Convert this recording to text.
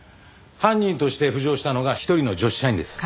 犯人として浮上したのが１人の女子社員です。